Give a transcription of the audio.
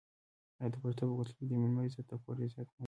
آیا د پښتنو په کلتور کې د میلمه عزت د کور عزت نه دی؟